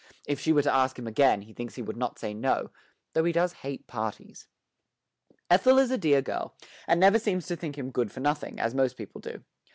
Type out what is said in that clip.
If she were to ask him again, he thinks he would not say no, though he does hate parties. Ethel is a dear girl, and never seems to think him good for nothing, as most people do.